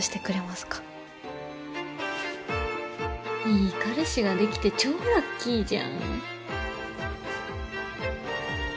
いい彼氏ができて超ラッキーじゃん。